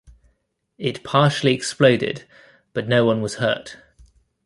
It partially exploded but no one was hurt.